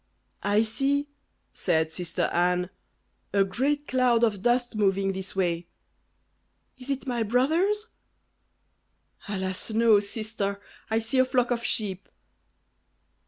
"I see," said sister Anne, "a great cloud of dust moving this way." "Is it my brothers?" "Alas! no, sister, I see a flock of sheep."